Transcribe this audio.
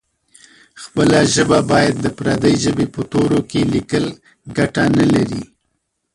خپله ژبه باید د پردۍ ژبې په تورو کې لیکل ګټه نه لري.